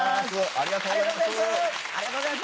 ありがとうございます。